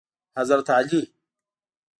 حضرت علی